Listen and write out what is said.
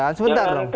jangan kan persidangan